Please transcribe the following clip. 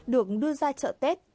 được đưa ra chợ tết